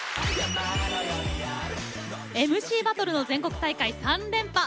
ＭＣバトルの全国大会３連覇！